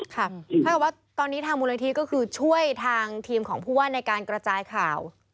ค่ะภายตัวตอนนี้ทางมูลโลกีครับก็คือช่วยทางทีมของผู้อ้านในการกระจายข่าว